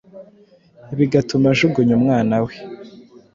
bigatuma ajugunya umwana we,